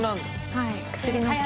はい。